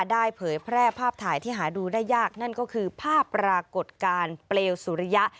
เผยแพร่ภาพถ่ายที่หาดูได้ยากนั่นก็คือภาพปรากฏการณ์เปลวสุริยะ